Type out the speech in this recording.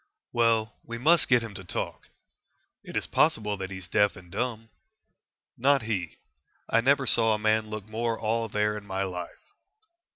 "Well, we must get him to talk." "It is possible that he is deaf and dumb." "Not he. I never saw a man look more all there in my life."